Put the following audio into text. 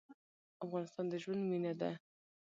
افغانستان د ژوند مېنه ده.